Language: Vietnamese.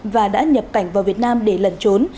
và đã nhập cảnh vào việt nam để lần trốn